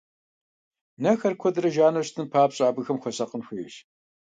Нэхэр куэдрэ жану щытын папщӀэ, абыхэм хуэсакъын хуейщ.